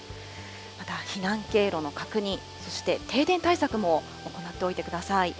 また避難経路の確認、そして停電対策も行っておいてください。